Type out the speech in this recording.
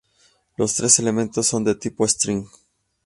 Los tres elementos son de tipo "string".